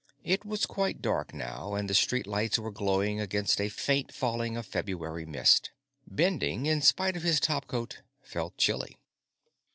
It was quite dark by now, and the street lights were glowing against a faint falling of February mist. Bending, in spite of his topcoat, felt chilly.